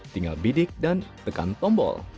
tinggal bidik dan tekan tombol